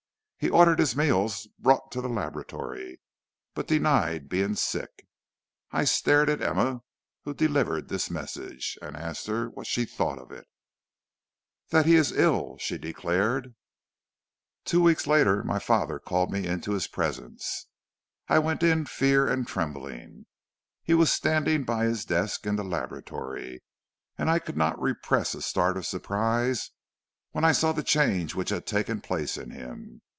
He ordered his meals brought to the laboratory, but denied being sick. I stared at Emma, who delivered this message, and asked her what she thought of it. "'That he is ill,' she declared. "Two weeks later my father called me into his presence. I went in fear and trembling. He was standing by his desk in the laboratory, and I could not repress a start of surprise when I saw the change which had taken place in him.